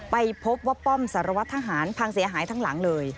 ไปพบว่าป้อมสารวัตรทหารพังเสียหายทั้งหลังเลย